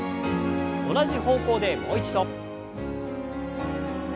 同じ方向でもう一度。